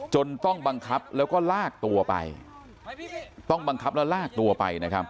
จนต้องบังคับแล้วก็ลากตัวไปต้องบังคับแล้วลากตัวไปนะครับ